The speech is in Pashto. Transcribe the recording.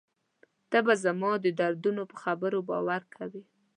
ته به زما د دردونو په خبرو باور کوې.